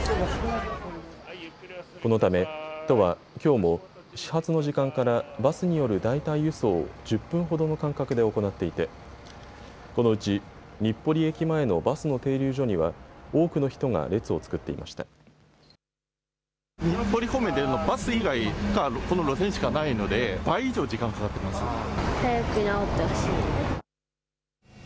このため都はきょうも始発の時間からバスによる代替輸送を１０分ほどの間隔で行っていてこのうち日暮里駅前のバスの停留所には多くの人が列を作っていました。